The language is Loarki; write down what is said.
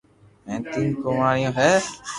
ھين تين ڪواريو ھي